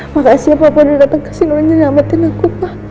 makasih ya bapak udah dateng kesini nyerahmatin aku pak